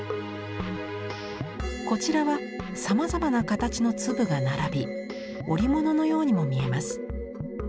こちらはさまざまな形の粒が並び織物のようにも見えます。